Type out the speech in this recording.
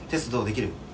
できる？